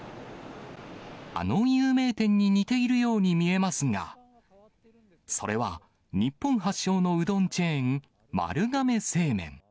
あの有名店に似ているように見えますが、それは、日本発祥のうどんチェーン、丸亀製麺。